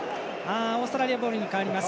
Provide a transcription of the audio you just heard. オーストラリアボールに変わります。